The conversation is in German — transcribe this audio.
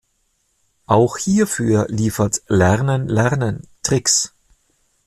Auch hierfür liefert "Lernen lernen" Tricks.